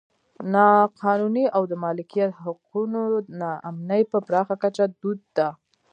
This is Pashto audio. نا قانوني او د مالکیت حقونو نا امني په پراخه کچه دود ده.